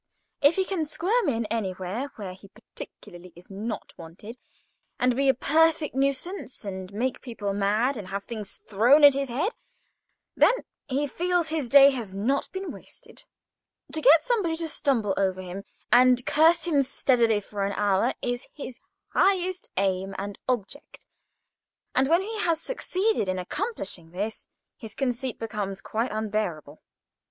If he can squirm in anywhere where he particularly is not wanted, and be a perfect nuisance, and make people mad, and have things thrown at his head, then he feels his day has not been wasted. To get somebody to stumble over him, and curse him steadily for an hour, is his highest aim and object; and, when he has succeeded in accomplishing this, his conceit becomes quite unbearable.